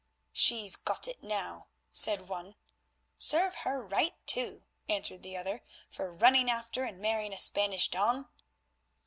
"She's got it now," said one. "Serve her right, too," answered the other, "for running after and marrying a Spanish don."